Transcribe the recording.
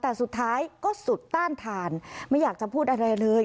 แต่สุดท้ายก็สุดต้านทานไม่อยากจะพูดอะไรเลย